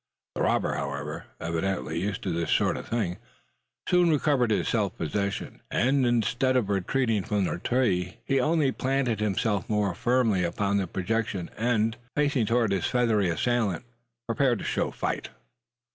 The robber, however, evidently used to this sort of thing, soon recovered his self possession; and instead of retreating from the tree, he only planted himself more firmly upon the projection; and, facing towards his feathery assailant, prepared to show fight.